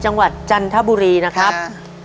จังหวัดจันทบุรีนะครับ